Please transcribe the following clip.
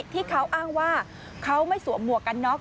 ที่เขาอ้างว่าเขาไม่สวมหมวกกันน็อก